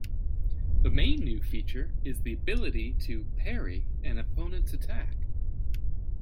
The main new feature is the ability to "parry" an opponents attack.